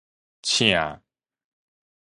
倩